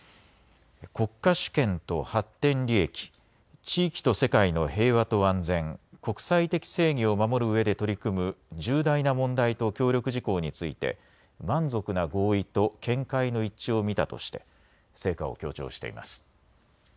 国家主権と発展利益、地域と世界の平和と安全、国際的正義を守るうえで取り組む重大な問題と協力事項について満足な合意と見解の一致を見たとして成果を強調しています。